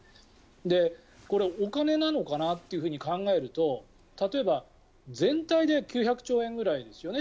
お金なのかなと考えると例えば全体で９００億円ぐらいですよね